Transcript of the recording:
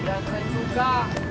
nggak keren juga